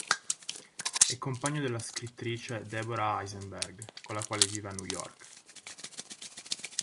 È compagno della scrittrice Deborah Eisenberg, con la quale vive a New York.